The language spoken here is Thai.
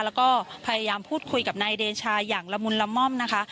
แล้วก็พยายามพูดคุยกับนายเดชาอย่างละมุนละม่อมนะคะ